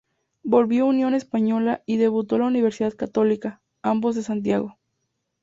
Volvió Unión Española y debutó la Universidad Católica, ambos de Santiago.